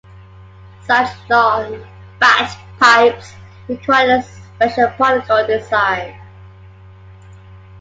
Such "long fat pipes" require a special protocol design.